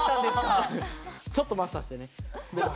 ちょっとマスターしてね。